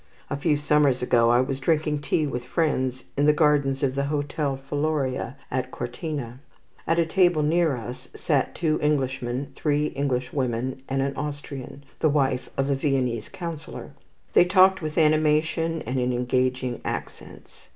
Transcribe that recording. A few summers ago I was drinking tea with friends in the gardens of the Hotel Faloria, at Cortina. At a table near us sat two Englishmen, three Englishwomen, and an Austrian, the wife of a Viennese councillor. They talked with animation and in engaging accents.